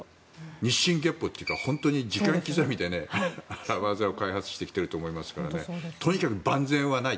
日進月歩というか時間刻みで荒技を開発してきていると思いますからとにかく万全はない。